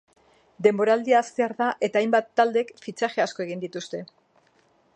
Denboraldia hastear da eta hainbat taldek fitxaje asko egin dituzte.